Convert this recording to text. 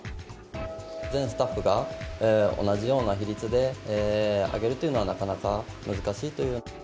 全スタッフが同じような比率で上げるというのは、なかなか難しいという。